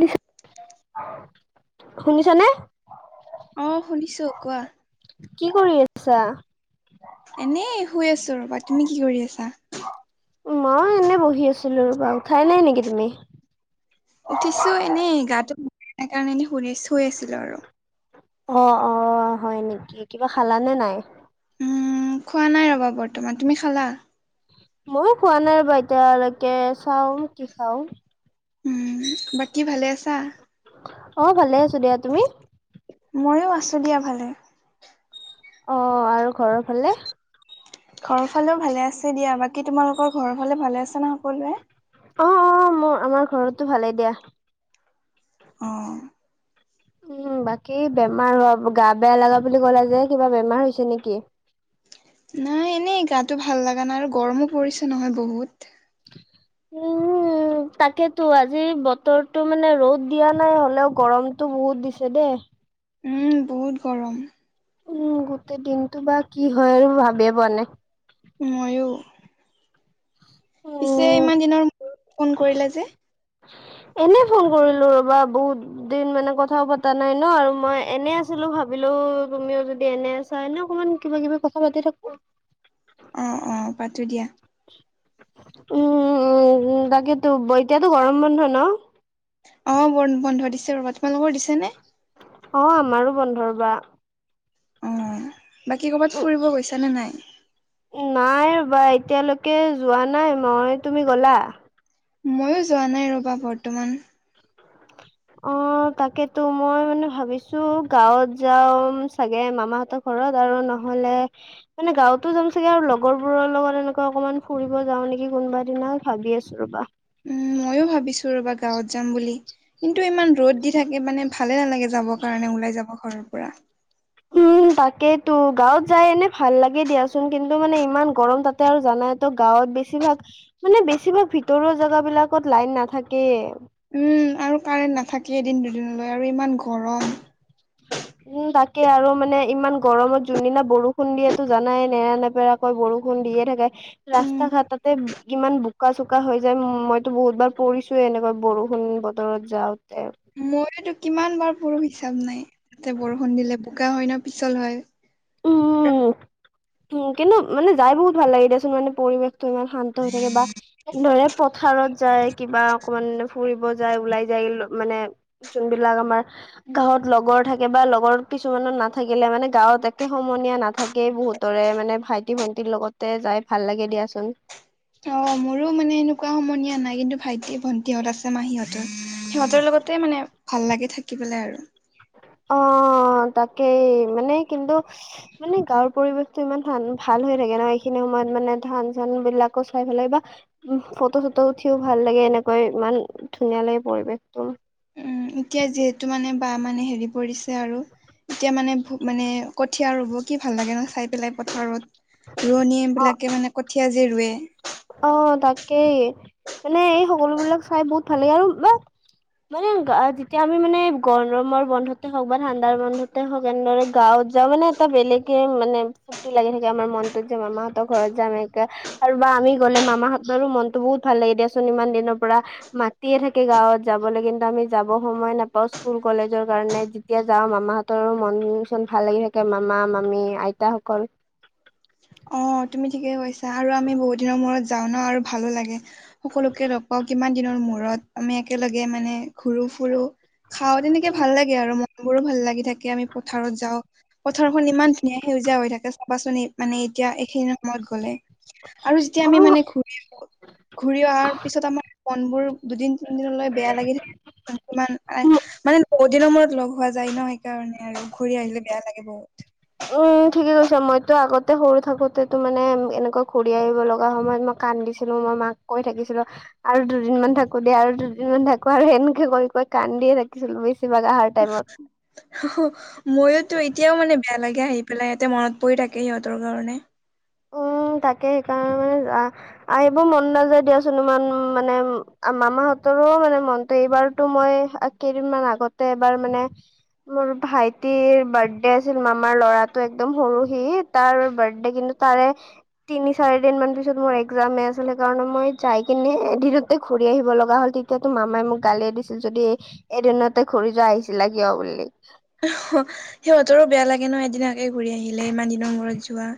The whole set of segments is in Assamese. নিছা শুনিছা নে অ শুনিছো কোৱা কি কৰি আছা এনেই শুই আছো ৰ'বা তুমি কি কৰি আছা মই এনেই বহি আছিলো ৰবা উঠাই নাই নিকি তুমি উঠিছোঁ এনেই গাটো সেইকাৰণে এনেই শুৰি শুই আছিলোঁ আৰু অ অ হয় নিকি কিবা খালানে নাই উম খোৱা নাই ৰ'বা বৰ্তমান তুমি খালা ময়ো খোৱা নাই ৰবা এতিয়ালৈকে চাওঁ কি খাও উম বাকী ভালে আছা অ ভালে আছো দিয়া তুমি মইয়ো আছো দিয়া ভালে অ আৰু ঘৰৰ ফালে ঘৰৰ ফালেও ভালে আছে দিয়া বাকী তোমালোকৰ ঘৰৰ ফালে ভালে আছে নে সকলোৱে অ অ মোৰ আমাৰ ঘৰতো ভালেই দিয়া অঁ উম বাকী বেমাৰ হোৱা গা বেয়া লাগা বুলি কলা যে কিবা বেমাৰ হৈছে নিকি নাই এনেই গাটো ভাল লাগা নাই আৰু গৰমো পৰিছে নহয় বহুত উম উম তাকেতো আজি বতৰটো মানে ৰ'দ দিয়া নাই হ'লেও গৰমটো বহুত দিছে দেই উম বহুত গৰম উম গোটেই দিনটো বা কি হয় আৰু ভাবিয়ে পোৱা নে মইয়ো পিছে উম, ইমান দিনৰ ফোন কৰিলা যে এনে ফোন কৰিলো ৰবা বহুত দিন মানে কথাও পতা নাই ন আৰু মই এনে আছিলো ভাবিলো তুমিও যদি এনে আছ চাই ন অকনমান কিবা কিবি কথা পাতি থাকো অ অ পাতো দিয়া উম উম উম তাকেতো ব এতিয়াতো গৰম বন্ধ ন অঁ বৰ্ন বন্ধ দিছে ৰবা তোমালোকৰ দিছেনে অ আমাৰো বন্ধ ৰবা অঁ বাকী ক'ৰবাত ফুৰিব গৈছানে নাই নাই ৰবা এতিয়ালৈকে যোৱা নাই মই তুমি গ'লা মইয়ো যোৱা নাই ৰ'বা বৰ্তমান অ তাকেতো মই মানে ভাবিছো গাঁৱত যাওম চাগে মামাহতক ঘৰত আৰু নহ'লে মানে গাঁৱতো যাম চাগে আৰু লগৰবোৰৰ লগত এনেকুৱা অকণমান ফুৰিব যাওঁ নেকি কোনোবা দিনা ভাবি আছো ৰ'বা। ম‌ইয়ো ভাবিছো ৰ'বা গাঁৱত যাম বুলি। কিন্তু ইমান ৰ'দ দি থাকে মানে ভালে নালাগে যাবৰ কাৰণে ওলাই যাব ঘৰৰ পৰা। উম তাক তো গাঁৱত যাই এনে ভাল লাগে দিয়াচোন কিন্তু মানে ইমান গৰম তাতে আৰু জানা - তো গাঁৱত বেছিভাগ মানে বেছিভাগ ভিতৰুৱা জেগা বিলাকত লাইন নাথাকে। উম আৰু কাৰেণ্ট নাথাকে এদিন দুদিনলৈ আৰু ইমান গৰম। উম তাকে আৰু মানে ইমান গৰমত যোনদিনা বৰষুণ দিয়েতো জানাই নেৰা নেপেৰা - কৈ বৰষুণ দিয়ে থাকে উম ৰাস্তা ঘাটতে - কিমান বোকা চোকা হৈ যায় মইতো বহুত বাৰ পৰিছোয়ে এনেকা বৰষুণ বতৰত যাওঁতে। মইয়োটো কিমান বাৰ পৰো হিচাপ নাই, তাতে বৰষুণ দিলে বোকা হয় ন পিছল হয়। উম [unintelligible] উম', কিন্তু মানে যাই বহুত ভাল লাগে দিয়াচোন, মানে পৰিৱেশটো ইমান শান্ত হৈ থাকে বা- ধৰে পথাৰত যায় কিবা অকমান ফুৰিব যায় ওলাই যায় মানে- যোন বিলাক আমাৰ গাঁৱত লগৰ থাকে বা লগৰ কিছুমানৰ নাথাকিলে মানে গাঁৱত এ- একে সমনীয়া নাথাকেই বহুতৰে, মানে ভাইটি-ভণ্টিৰ লগতে যাই ভাল লাগে দিয়াচোন। [inaudible] অ', মোৰো মানে এনেকুৱা সমনীয়া নাই, কিন্তু ভাইটি-ভণ্টিহত আছে মাহি হতৰ সিহঁতৰ লগতে মানে- ভাল লাগে থাকিবলে আৰু। অ', তাকেই মানে কিন্তু- মানে গাঁৱৰ পৰিৱেশটো ইমান ধান- ভাল হৈ থাকে নহয়, এইখিনি সময়ত মানে ধান-চান বিলাকো চাই ভাল লাগে বা- উম', ফটো-চটো উঠিও ভাল লাগে, এনেকৈ ইমান ধুনীয়া লাগে পৰিৱেশটো। উম এতিয়া যিহেতু মানে বা মানে হেৰি পৰিছে- চে আৰু এতিয়া মানে- ভুক- মানে কঠীয়া ৰুব কি ভাল লাগে ন চাই পেলাই পথাৰত? ৰোৱনীয়ে অ বিলাকে মানে কঠীয়া যে ৰুৱে - অ', তাকেই মানে এই সকলো বিলাক চাই বহুত ভাল লাগে আৰু ন- অ', গা- যেতিয়া আমি মানে গৰমৰ বন্ধতে হওক বা ঠাণ্ডাৰ বন্ধতে হওক এনেদৰে গাঁৱত- যোৱা মানে এটা বেলেগে মানে- ফুৰ্তি লাগি থাকে আমাৰ মনটো যে মামা হতৰ ঘৰত যাম একে আৰু বা আমি - গ'লে মামা হতৰো মনটো বহুত ভাল লাগে দিয়াচোন ইমান দিনৰ পৰা- মাতিয়ে থাকে গাঁৱত যাবলৈ কিন্তু আমি যাব সময় নাপাওঁ, স্কুল কলেজৰ কাৰণে য- যেতিয়া যাওঁ মামা হতৰো মন-চন ভাল লাগি থাকে মামা-মামী আইতা সকল। অ', তুমি ঠিকে কৈছা আৰু আমি বহুত দিনৰ মূৰত যাওঁ ন আৰু ভালো লাগে। সকলোকে লগ পাওঁ কিমান দিনৰ মূৰত, আমি একেলগে মানে ঘূৰো-ফুৰো। খাওঁ তেনেকে ভাল লাগে আৰু মন বোৰো ভাল লাগি থাকে আমি পথাৰত যাওঁ। পথাৰখন ইমান ধুনীয়া সেউজীয়া হৈ থাকে চাবাচোন এই মানে এ- এতিয়া এইখিনি সময়ত গলে আৰু যেতিয়া আমি মানে ঘু- ঘূৰি অহাৰ পিছত আমাৰ - মন বোৰ দুদিন তিনদিনলৈ বেয়া লাগি থাকে ইমান অ মানে ব- দিনৰ মূৰত লগ হোৱা যায় ন সেইকাৰণে আৰু ঘূৰি আহিলে বেয়া লাগে বহুত। উম', ঠিকেই কৈছা মইতো আগতে সৰু থাকোতেতো মানে এনেকৈ ঘূৰি আহিব লগা সময়ত মই - কান্দিছিলো মই মাক কৈ থাকিছিলো। আৰু দুদিনমান থাকো দিয়া আৰু দুদিনমান থাকো আৰু সেনেকে কৰি কৰি কান্দিয়ে থাকিছিলো বেছিভাগ আহাৰ- টাইমত হেঁ হেঁ মইয়োতো এতিয়াও মানে - বেয়া লাগে আহি পেলাই এইয়াতে মনত পৰি থাকে সিহঁতৰ ঘৰলে। উম', তাকে সেইকাৰণে মানে যোৱা - আহিব মন নাযায় দিয়াচোন ইমান মানে, মামা হতৰো মানে মনটো এইবাৰতো মই কেইদিনমান আগতে এবাৰ মানে। মোৰ ভাইটিৰ বাৰ্থডে আছিল, মামাৰ ল'ৰাটো একদম সৰু সি তাৰ বাৰ্থডে কিন্তু। তাৰে তিনি চাৰি দিন মান পিছত মোৰ একজাম এ আছিলে, সেইকাৰণে মই যাই কিনে এদিনতে ঘূৰি আহিব লগা হ'ল। তেতিয়াতো মামাই মোক গালিয়ে দিছিল, যদি এদিনতে ঘূৰি যোৱা আহিছিলা কিয় বুলি। অহ সিহঁতৰো বেয়া লাগে ন এদিন আগে ঘূৰি আহিলে, ইমান দিনৰ মূৰত যোৱা।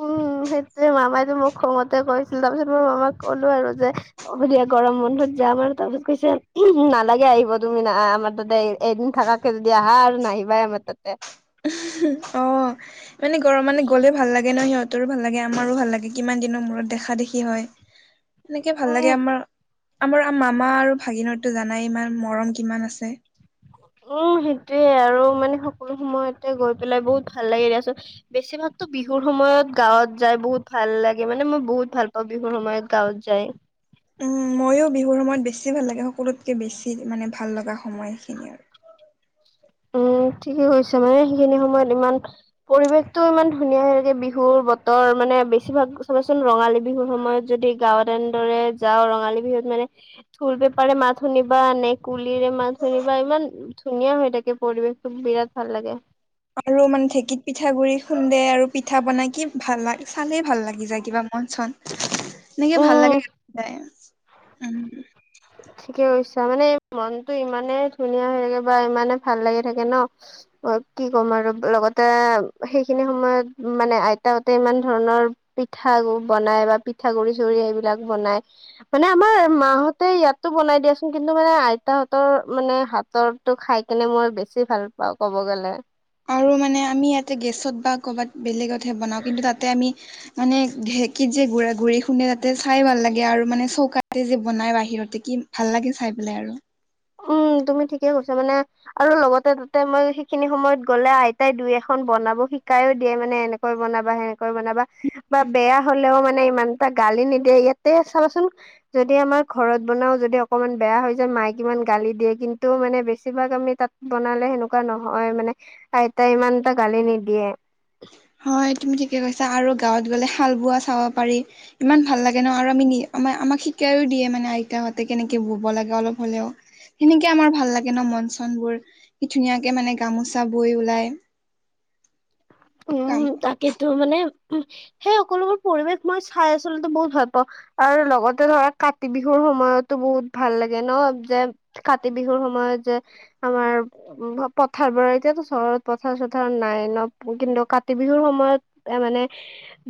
উম', সেইটোৱে মামাই যে মোক খঙতে কৈছিল, তাৰ পিছত মই মামাক কলো আৰু যে। হ'ব দিয়া গৰম বন্ধত যাম আৰু তাৰপিছত কৈছে নালাগে আহিব তুমি না আমাৰ তাতে এদিন থাক তই যদি আহা আৰু নাহিবাই আমাৰ তাতে। অ', মানে ঘৰ মনুহ গ'লে ভাল লাগে না সিহঁত। সিহতৰো ভাল লাগে আমাৰো ভাল লাগে, কিমান দিনৰ মূৰত দেখা-দেখি হয় এনেকে ভাল উম লাগে আমাৰ। আমা- আমাৰ মামা আৰু ভাগিনৰতো জানাই ইমান মৰম কিমান আছে। উম', সেইটোয়ে আৰু মানে সকলো সময়তে গৈ পেলাই বহুত ভাল লাগে দিয়াচোন। বেছিভাগতো বিহুৰ সময়ত গাঁৱত যাই বহুত ভাল লাগে, মানে মই বহুত ভাল পাওঁ বিহুৰ সময়ত। গাঁৱত যায়। উ ময়ো বিহুৰ সময়ত বেছি ভাল লাগে সকলোতকৈ বেছি মানে ভাল লগা সময় সেইখিনি আৰু উম ঠিকে কৈছে মানে সেইখিনি সময়ত ইমান পৰিৱেশ টো ইমান ধুনীয়া লাগে বিহুৰ বতৰ মানে বেছিভাগ চাবাচোন ৰঙালী বিহুৰ সময়ত যদি গাঁৱত এনেদৰে যাওঁ ৰঙালী বিহুত মানে ঢোল পেপাৰে মাত শুনিবা বা নে কুলিৰে মাত শুনিবা বা ইমান ধুনীয়া হয় থাকে পৰিৱেশ টো বিৰাট ভাল লাগে। আৰু মানে ঢেঁকীত পিঠা গুৰি খুন্দে আৰু পিঠা বনাই কি ভাল চালেই ভাল লাগি যায় কিবা মন চন এনেকে ভাল উম লাগে। উম [inaudible] ঠিকে কৰিছা মানে মনতটো ইমানে ধুনীয়া হৈ থাকে বা ইমানে ভাল লাগি থাকে ন কি ক'ম আৰু লগতে সেইখিনি সময়ত মানে আইতা হতে ইমান ধৰণৰ পিঠা বনাই বা পিঠা গুৰি চুৰি সেইবিলাক বনাই মানে আমাৰ মা হতে ইয়াতো বনাই দিয়াচোন কিন্তু মানে আইতাহঁতৰ মানে হাতৰটো খাই কেনে মই বেছি ভাল বা ক'ব গ'লে আৰু মানে আমি ইয়াতে গেছত বা কৰ'বাত বেলেগতহে বনাওঁ কিন্তু তাতে আমি মানে ঢেঁকী যে গুৰা গুৰি খুন্দে তাতে চাই ভাল লাগে আৰু মানে চৌকাতে যে বনাই বাহিৰতে কি ভাল লাগে চাই পেলাই আৰু উম তুমি ঠিকেই কৈছা মানে আৰু লগতে তাতে মই সেইখিনি সময়ত গলে আইতাই দুই এখন বনাব শিকাইও দিয়ে মানে এনে কৈ বনাবা সেনেকৈ বনাবা বা বেয়া হলেও মানে ইমান এটা গালি নিদিয়ে ইয়াতে চাবাচোন যদি আমাৰ ঘৰত বনাও যদি অকমান বেয়া হৈ যায় মাইক কিমান গালি দিয়ে কিন্তু মানে বেছিভাগ আমি তাত বনালে সেনেকুৱা নহয় মানে আইতা ইমানটা গালি নিদিয়ে। হয় তুমি ঠিকে কৈছা আৰু গাঁৱত গ'লে হাল বোৱা চাব পাৰি ইমান ভাল লাগে ন আৰু আমি আ আমাক শিকাইও দিয়ে মানে আইতাহঁতে কেনেকে বব লাগে অলপ হলেও সেনেকে আমাৰ ভাল লাগে ন মন চন বোৰ ধুনীয়াকে মানে গামোচা বোৰ ওলাই উম কাম তাকেইেতো মানে উ সেই সকলোবোৰ পৰিৱেশ মই চাই আচলতে বহুত ভাল পাওঁ আৰু লগতে ধৰা কাতি বিহুৰ সময়তো বহুত ভাল লাগে ন যে কাতি বিহুৰ সময়ত যে। আমাৰ উ পথাৰ বাৰ এতিয়াতো চহৰত পথাৰ চাথাৰ নাই ন। কিন্তু কাতি বিহুৰ সময়ত এ মানে,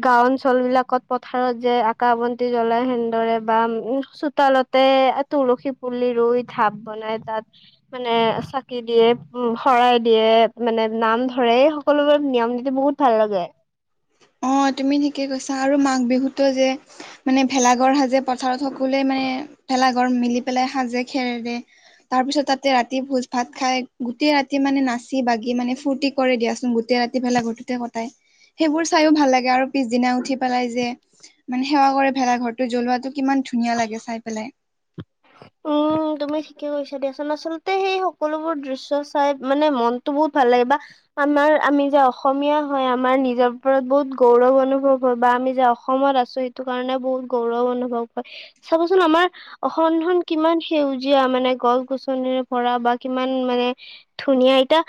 গাওঁ অঞ্চল বিলাকত পথাৰত যে আকাশ বন্তি জ্বলাই সেনেদৰে বা উ চোতালত। তাতে তুলসী পুলি ৰুই ঢাপ বনাই তাত। মানে চাকি দিয়ে উ শৰাই দিয়ে মানে নাম ধৰে সকলোৰ নিয়ম নীতি বহুত ভাল লাগে। অ তুমি ঠিকে কৈছা আৰু মাঘ বিহুতটো যে মানে ভেলাঘৰ সাজে, পথাৰত সকলোৱে মানে ভেলাঘৰ মিলি পেলাই সাজে খেৰে, তাৰ পিছত তাতে ৰাতি ভোজ ভাত খাই গোটেই ৰাতি মানে নাচি বাগি মানে ফূৰ্তি কৰে দিয়াচোন গোতেটেই ৰাতি ভেলা ঘৰটোতে কটাই সেইবোৰ, চাইয়ো ভাল লাগে আৰু পিছদিনা উঠি পেলাই যে, মানে সেৱা কৰে ভেলা ঘৰটো জ্বলোৱাটো কিমান ধুনীয়া লাগে চাই পেলাই। উম, উ তুমি ঠিকে কৈছা দিয়াচোন আচলতে সেই সকলোবোৰ দৃশ্য চাই মানে মনতটো বহুত ভাল লাগে কাৰ আমাৰ আমি যে অসমীয়া হয় আমাৰ নিজৰ ওৰত বহুত গৌৰৱ অনুভৱ হয় বা আমি যে, অসমত আছো সেইটো কাৰণে বহুত গৌৰৱ অনুভৱ হয় চাবচোন আমাৰ অসম খন, কিমান সেউজীয়া মানে গছ গছনিৰে ভৰা বা কিমান মানে ধুনীয়া এতিয়া।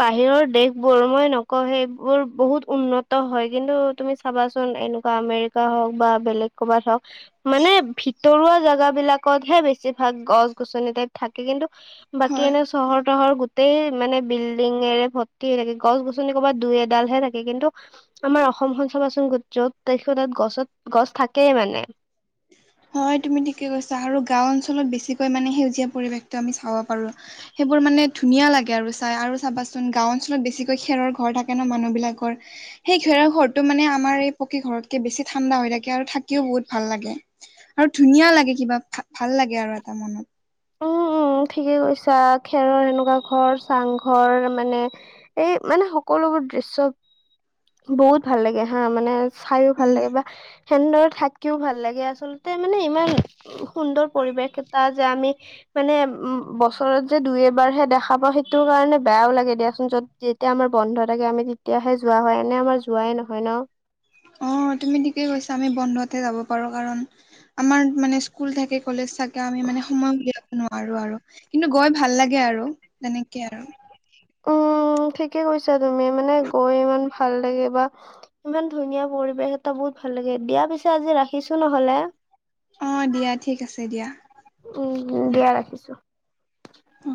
বাহিৰৰ দেশ বোৰ মই নকওঁ সেইবোৰ বহুত উন্নত হয় কিন্তু তুমি, চাবাচোন এনেকুৱা আমেৰিকা হওক বা বেলেগ ক'বাত হওক, মানে ভিতৰুৱা জাগা বিলাকতহে বেছি। বেছিভাগ গছ গছনি টাইপ থাকে কিন্তু বাকী হয় এনে, চহৰ তহৰ গোটেই মানে বিল্ডিঙেৰে ভৰ্তি হৈ থাকে গছ গছনি ক'ৰবাত দুই এডালহে থাকে কিন্তু, আমাৰ অসমখন চাবাচোন গোট য'ত দেখি তাত গছত গছ থাকেই মানে। হয় তুমি ঠিকেই কৈছা আৰু গাঁও অঞ্চলত বেছিকৈ মানে সেউজীয়া পৰিৱেশ। আমি চাব পাৰো সেইবোৰ মানে ধুনীয়া লাগে আৰু চাই আৰু চাবাচোন গাঁও অঞ্চলত বেছিকৈ খেৰৰ ঘৰ থাকে ন মানুহবিলাকৰ, সেই খেৰৰ ঘৰটো মানে আমাৰ এই পকী ঘৰতকে বেছি ঠাণ্ডা হৈ থাকে আৰু থাকিও বহুত ভাল লাগে। আৰু ধুনীয়া লাগে কিবা ভাল লাগে আৰু এটা মনত, উম উম ঠিকে কৈছা খেৰৰ এনেকুৱা ঘৰ চাংঘৰ মানে। এই মানে সকলোবোৰ দৃশ্য বহুত ভাল লাগে হা মানে। চাইও ভাল উম, লাগে বা, সেনেদৰে থাকিও ভাল লাগে আচলতে মানে ইমান সুন্দৰ পৰিৱেশ এটা যে আমি। মানে উম বছৰত যে দুই এবাৰ হে দেখা পাওঁ সেইটো কাৰণে বেয়াও লাগে দিয়াচোন যত, যেতিয়া আমাৰ বন্ধ থাকে আমি তেতিয়াহে যোৱা হয় এনে আমাৰ যোৱাই নহয় ন। অ তুমি ঠিকে কৈছা আমি বন্ধতহে যাব পাৰো কাৰণ আমাৰ মানে স্কুল থাকে কলেজ থাকে। আমি মানে সময় উলিয়াব নোৱাৰো আৰু কিন্তু গৈ ভাল লাগে আৰু তেনেকে আৰু উম ঠিকে কৈছা তুমি মানে গৈ ইমান ভাল লাগে বা, ইমান ধুনীয়া পৰিৱেশ এটা বহুত ভাল লাগে দিয়া পিছে আজি ৰাখিছো নহলে। অ' দিয়া ঠিক আছে দিয়া। উম দিয়া ৰাখিছো। উ